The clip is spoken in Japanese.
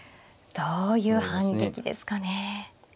どういう反撃ですかね。